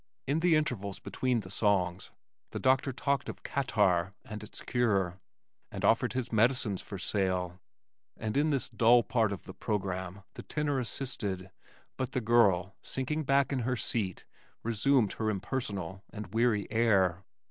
In the intervals between the songs the doctor talked of catarrh and its cure, and offered his medicines for sale, and in this dull part of the program the tenor assisted, but the girl, sinking back in her seat, resumed her impersonal and weary air.